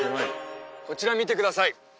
こちら見てください